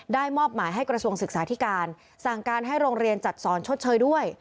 มอบหมายให้กระทรวงศึกษาธิการสั่งการให้โรงเรียนจัดสอนชดเชยด้วย